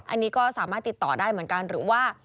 อันนี้ก็สามารถติดต่อได้เหมือนกันหรือว่า